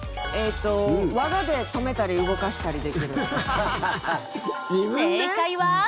えっと技で止めたり動かしたりできる。